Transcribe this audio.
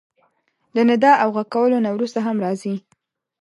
له ندا او غږ کولو نه وروسته هم راځي.